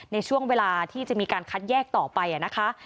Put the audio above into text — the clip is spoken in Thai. ในช่วงเวลาที่จะมีการคัดแยกต่อไปนะคะ